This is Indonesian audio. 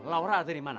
laura ada dimana